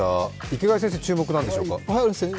池谷先生、注目は何でしょうか？